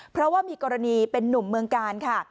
เพราะว่ามีกรณีเป็นนุ่มเมืองกาลค่ะ